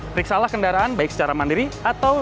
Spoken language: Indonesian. periksalah kendaraan baik secara mandiri atau